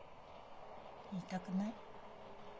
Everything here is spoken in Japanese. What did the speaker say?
言いたくない。